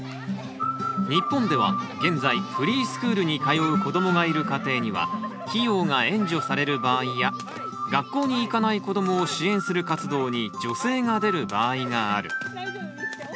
日本では現在フリースクールに通う子どもがいる家庭には費用が援助される場合や学校に行かない子どもを支援する活動に助成が出る場合がある。